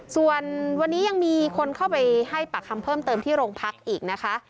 ส่วนวันนี้ยังมีคนเข้าไปให้ปากคำเพิ่มเติมที่โรงพักอีกนะคะ